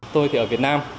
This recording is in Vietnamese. tôi thì ở việt nam